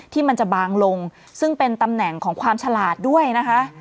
ที่มันจะบางลงซึ่งเป็นตำแหน่งของความฉลาดด้วยนะคะ